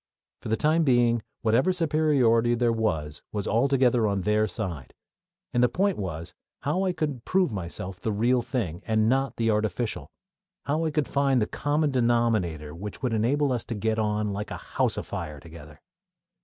For the time being whatever superiority there was was altogether on their side, and the point was how I could prove myself the real thing, and not the artificial; how I could find the common denominator which would enable us to get on "like a house afire" together.